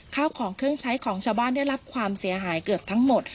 ข้าวของเครื่องใช้ของชาวบ้านได้รับความเสียหายเกือบทั้งหมด